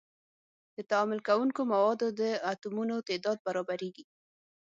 د تعامل کوونکو موادو د اتومونو تعداد برابریږي.